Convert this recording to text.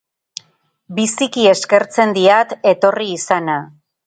Biziki eskertzen diat etorri izana.